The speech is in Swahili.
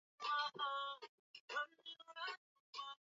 kuendelea na desturi zao lakini hawakuwa na haki zote za uraia